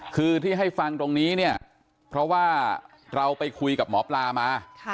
คือที่ให้ฟังตรงนี้เนี่ยเพราะว่าเราไปคุยกับหมอปลามา